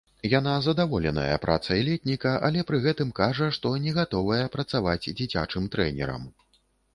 Яна задаволеная працай летніка, але пры гэтым кажа, што не гатовая працаваць дзіцячым трэнерам.